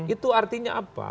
itu artinya apa